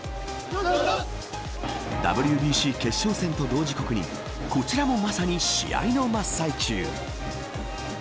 ＷＢＣ決勝戦と同時刻にこちらもまさに試合の真っ最中。